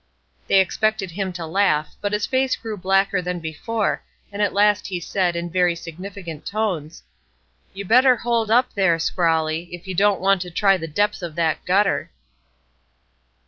They expected him to laugh, but his face grew blacker than before, and at last he said, in very significant tones: "You better hold up there, Scrawly, if you don't want to try the depth of that gutter."